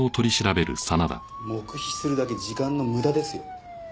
黙秘するだけ時間の無駄ですよ。